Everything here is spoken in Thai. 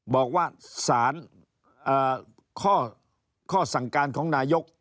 บอกว่าสารข้อสั่งการของนายก